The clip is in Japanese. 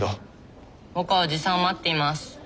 僕はおじさんを待っています。